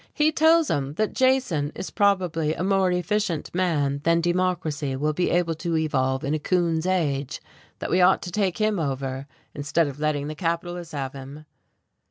He tells 'em that Jason is probably a more efficient man than Democracy will be able to evolve in a coon's age, that we ought to take him over, instead of letting the capitalists have him."